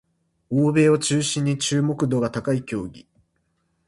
欧米を中心に注目度が高い競技